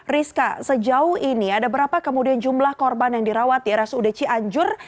rizka sejauh ini ada berapa kemudian jumlah korban yang dirawat di rsud cianjur